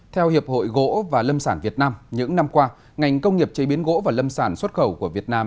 theo hiệp hội gỗ và lâm sản việt nam những năm qua ngành công nghiệp chế biến gỗ và lâm sản xuất khẩu của việt nam